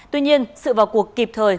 tuy nhiên sự vào cuộc kịp thời